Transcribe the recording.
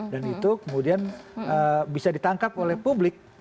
dan itu kemudian bisa ditangkap oleh publik